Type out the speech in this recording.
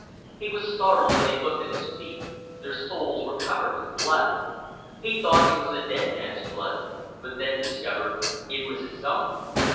He was startled when he looked at his feet their soles were covered with blood. He thought it was the dead man's blood, but then discovered it was his own.